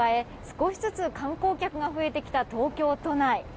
少しずつ観光客が増えてきた東京都内。